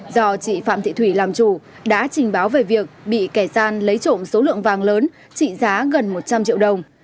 do chị phạm thị thủy làm chủ đã trình báo về việc bị kẻ gian lấy trộm số lượng vàng lớn trị giá gần một trăm linh triệu đồng